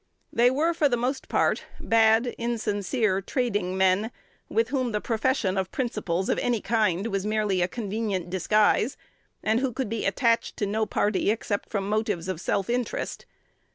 They were for the most part bad, insincere, trading men, with whom the profession of principles of any kind was merely a convenient disguise, and who could be attached to no party, except from motives of self interest.